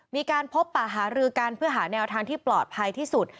มีการพบป่าหารือกันเพื่อหาแนวทางที่ปลอดภัยที่สุด